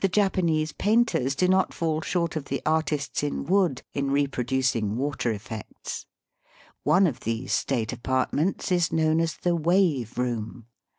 The Japanese painters do not faU short of the artists in wood in reproducing water effects. One of these state apartments is known as the wave room.